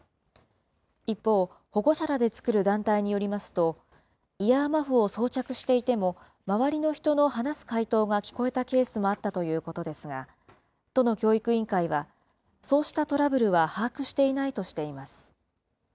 一方、保護者らで作る団体によりますと、イヤーマフを装着していても、周りの人の話す解答が聞こえたケースもあったということですが、都の教育委員会は、そうしたトラブルは把握していないとしています。